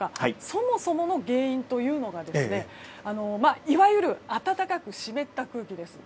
そもそもの原因というのがいわゆる暖かく湿った空気です。